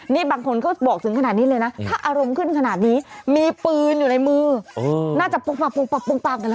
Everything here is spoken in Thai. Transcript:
นี่บางคนก็บอกถึงขนาดนี้เลยนะถ้าอารมณ์ขึ้นขนาดนี้มีปืนอยู่ในมือ